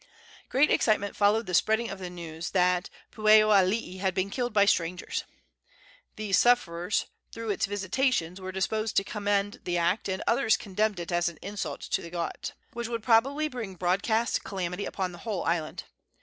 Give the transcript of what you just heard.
Great excitement followed the spreading of the news that Pueoalii had been killed by strangers. The sufferers through its visitations were disposed to commend the act, and others condemned it as an insult to the gods, which would probably bring broadcast calamity upon the whole island.